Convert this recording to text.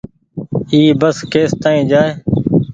اي بس ڪيس تآئين جآئي۔